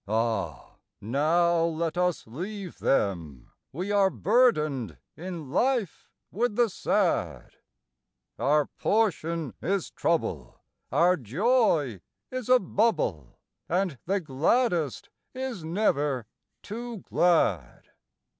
Ah, now let us leave them We are burdened in life with the sad; Our portion is trouble, our joy is a bubble, And the gladdest is never too glad.